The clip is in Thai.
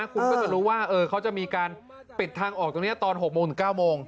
คุณก็จะรู้ว่าเขาจะมีการปิดทางออกตรงนี้ตอน๖โมงถึง๙โมง